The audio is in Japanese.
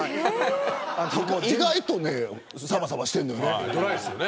意外とさばさばしてるのよね。